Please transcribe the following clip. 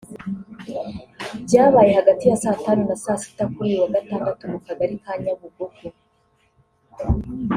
Byabaye hagati ya saa tanu na saa sita kuri uyu wa Gatandatu mu kagari ka Nyabugogo